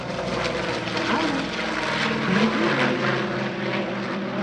Алло, кем һөйләй?